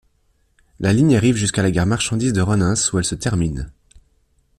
La ligne arrive jusqu'à la gare marchandises de Renens où elle se termine.